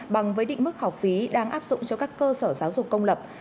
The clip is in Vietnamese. bằng với định mức học phí đang áp dụng cho các cơ sở giáo dục công lập